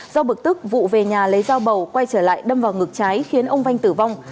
do bực tức vụ về nhà lấy dao bầu quay trở lại đâm vào ngực trái khiến ông vanh tử vong